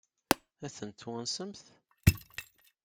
Ad tent-twansemt?